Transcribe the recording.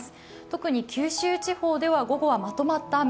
特に九州地方では午後はまとまった雨。